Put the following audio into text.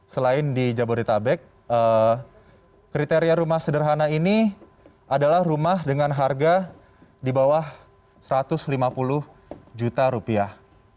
selain di jabodetabek kriteria rumah sederhana ini adalah rumah dengan harga di bawah satu ratus lima puluh juta rupiah